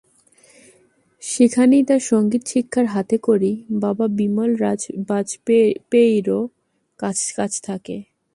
সেখানেই তার সংগীত শিক্ষার হাতেখড়ি বাবা বিমল বাজপেয়ীর কাছ থেকে।